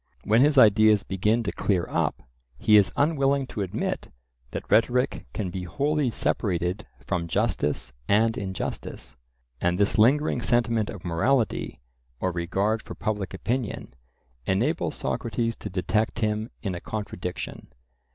When his ideas begin to clear up, he is unwilling to admit that rhetoric can be wholly separated from justice and injustice, and this lingering sentiment of morality, or regard for public opinion, enables Socrates to detect him in a contradiction.